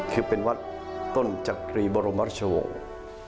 คือเป็นวัดต้นจักรีบรมราชวงศ์